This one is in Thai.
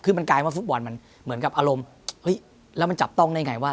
คือมันกลายว่าฟุตบอลมันเหมือนกับอารมณ์เฮ้ยแล้วมันจับต้องได้ไงวะ